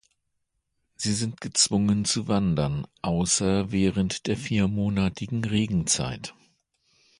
Sie sind gezwungen zu wandern, außer während der viermonatigen Regenzeit.